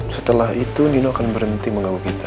setelah itu nino akan berhenti mengawal kita